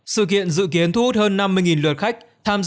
sự kiện dự kiến thu hút hơn năm mươi lượt khách